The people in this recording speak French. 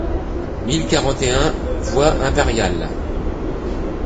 mille quarante et un voie Impériale